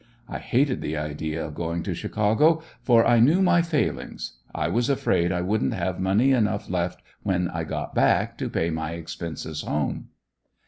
I hated the idea of going to Chicago, for I knew my failings I was afraid I wouldn't have money enough left when I got back to pay my expenses home.